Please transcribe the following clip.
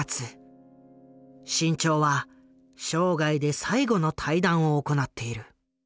志ん朝は生涯で最後の対談を行っている。